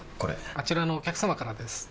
あちらのお客様からです。